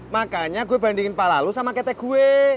makanya gue bandingin palalu sama kete gue